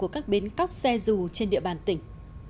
các xe dù trên địa bàn tỉnh